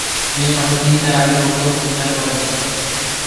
মে মাসে, তিনি তার আগের বক্তব্য প্রত্যাহার করেন।